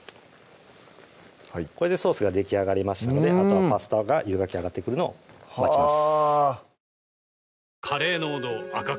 これでソースができあがりましたのであとはパスタが湯がきあがってくるのを待ちます